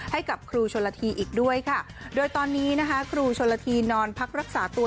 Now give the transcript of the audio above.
ให้กับครูชนละทีอีกด้วยค่ะโดยตอนนี้นะคะครูชนละทีนอนพักรักษาตัว